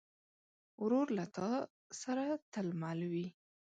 ورور له تا سره تل مل وي.